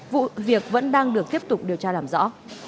vụ việc vẫn đang được tiếp tục điều tra làm rõ